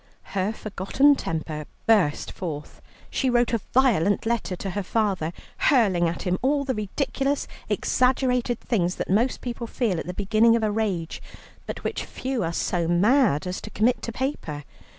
Her forgotten temper burst forth. She wrote a violent letter to her father, hurling at him all the ridiculous exaggerated things that most people feel at the beginning of a rage, but which few are so mad as to commit to paper.